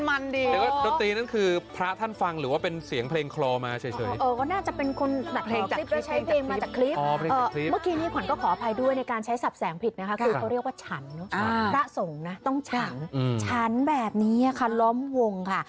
อันนี้คือภาพทั้งพระสงฆ์ทั้งเนรกำลังล้อมวงนั่งปิ้งย่างหมูกระทะ